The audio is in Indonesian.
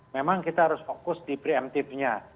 memang kita harus fokus di pre emptive nya